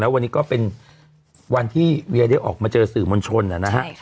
วันนี้ก็เป็นวันที่เวียได้ออกมาเจอสื่อมวลชนนะฮะ